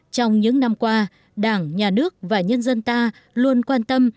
trong những năm qua đảng nhà nước và nhân dân ta luôn quan tâm